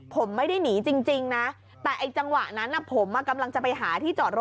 ประตูเด้งเปิดออกมา